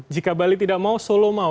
jika bali tidak mau solo mau